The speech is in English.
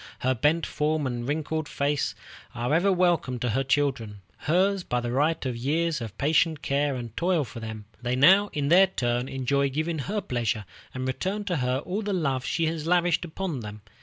Her bent form and wrinkled face are ever welcome to her children, hers by the right of years of patient care and toil for them. They now, in their turn, enjoy giving her pleasure, and return to her all the love she has lavished upon them.